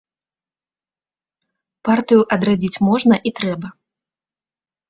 Партыю адрадзіць можна і трэба.